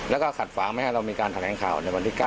แล้วก็ขัดฝางไม่ให้เรามีการแถลงข่าวในวันที่๙